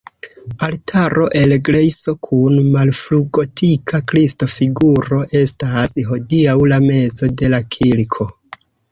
Altaro el grejso kun malfrugotika Kristo-figuro estas hodiaŭ la mezo de la kirko.